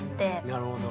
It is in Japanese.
なるほど。